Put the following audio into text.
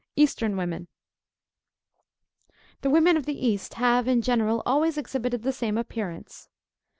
EASTERN WOMEN. The women of the East, have in general, always exhibited the same appearance.